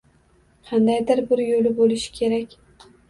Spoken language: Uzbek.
Qandaydir bir yo‘li bo‘lishi kerak